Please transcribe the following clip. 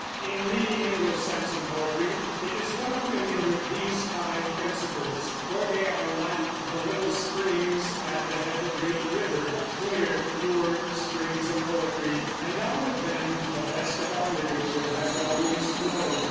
In reading Anglo Saxon poetry it is well to remember these five principles, for they are like the little springs at the head of a great river, clear, pure springs of poetry, and out of them the best of our literature has always flowed.